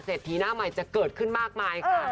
เสร็จกับทีหน้าใหม่จะเกิดขึ้นมากมายค่ะ